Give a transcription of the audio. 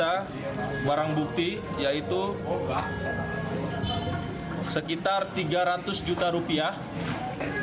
yang kedua yang kedua yang kedua yang kedua yang kedua yang kedua yang kedua yang kedua yang kedua yang kedua